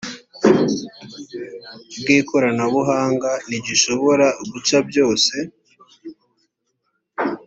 bw ikoranabuhanga ntigishobora guca byose